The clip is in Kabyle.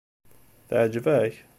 Teɛjeb-ak?